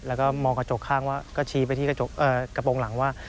แล้วก็มองกระจกข้างว่าก็ชี้ไปที่กระโปรงหลังว่า